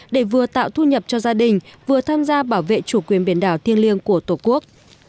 để vừa tạo thu nhập cho gia đình vừa tham gia bảo vệ chủ quyền biển đảo thiêng liêng của tổ quốc